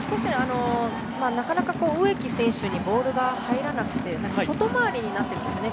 なかなか植木選手にボールが入らなくて外回りになっているんですね